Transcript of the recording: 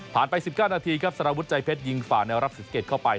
ผ่านไป๑๙นาทีครับสระวุดไจเพชรยิงฝ่าในรัปศรีสเกดเข้าไป